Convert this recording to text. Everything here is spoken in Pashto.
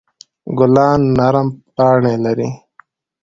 ګلان نرم پاڼې لري.